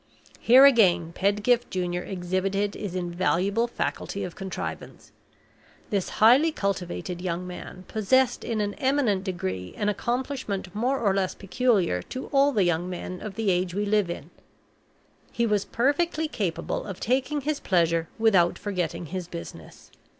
Here, again, Pedgift Junior exhibited his invaluable faculty of contrivance. This highly cultivated young man possessed in an eminent degree an accomplishment more or less peculiar to all the young men of the age we live in: he was perfectly capable of taking his pleasure without forgetting his business.